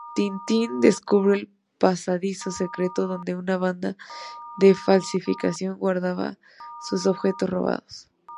Tintín descubre el pasadizo secreto donde una banda de falsificación guardaba sus objetos robados.